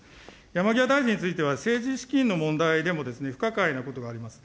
山際大臣については政治資金の問題でも、不可解なことがあります。